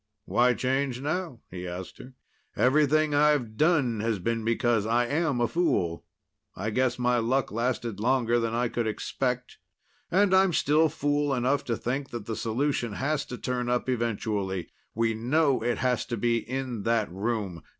"Why change now?" he asked her. "Everything I've done has been because I am a fool. I guess my luck lasted longer than I could expect. And I'm still fool enough to think that the solution has to turn up eventually. We know it has to be in that room.